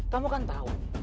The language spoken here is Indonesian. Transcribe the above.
kamu kan tau